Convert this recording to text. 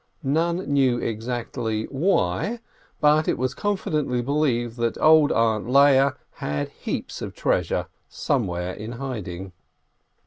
None knew exactly why, but it was con fidently believed that old "Aunt" Leah had heaps of treasure somewhere in hiding.